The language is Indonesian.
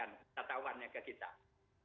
janganlah semutnya dipindahkan kita tahu kan ya